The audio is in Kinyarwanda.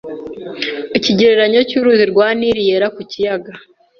Ikigereranyo cy'uruzi rwa Nili yera ku kiyaga